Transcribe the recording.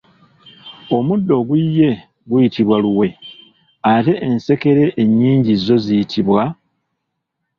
Omuddo oguyiye guyitibwa luwe, ate ensekere ennyingi zo ziyitibwa ?